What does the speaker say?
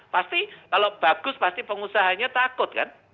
pasti kalau bagus pasti pengusahanya takut kan